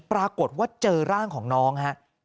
ปรากฏว่าเจอร่างของน้องฮะ